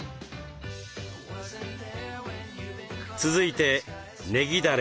続いてねぎだれ。